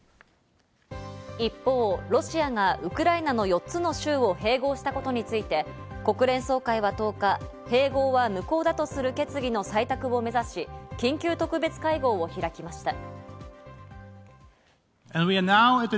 一方、ロシアがウクライナの４つの州を併合したことについて国連総会は１０日、併合は無効だとする決議の採択を目指し緊急特別会合を開きました。